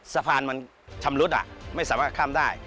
สะพานมันชำรุดไม่สามารถข้ามได้